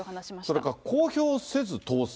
それから公表せず当選。